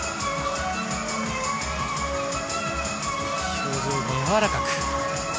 表情やわらかく。